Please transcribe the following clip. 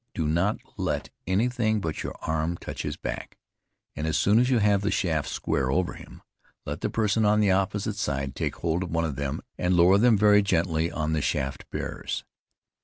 Do not let anything but your arm touch his back, and as soon as you have the shafts square over him, let the person on the opposite side take hold of one of them and lower them very gently on the shaft bearers.